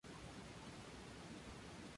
La sede del condado es Greensburg.